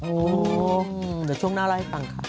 โอ้โหเดี๋ยวช่วงหน้าเล่าให้ฟังค่ะ